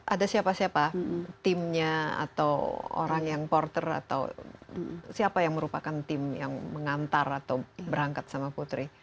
ada siapa siapa timnya atau orang yang porter atau siapa yang merupakan tim yang mengantar atau berangkat sama putri